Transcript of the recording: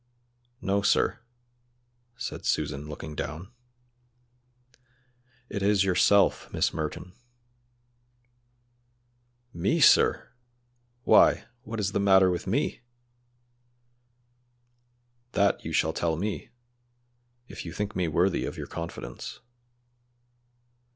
"No, sir," said Susan, looking down. "It is yourself, Miss Merton." "Me, sir! Why, what is the matter with me?" "That you shall tell me, if you think me worthy of your confidence."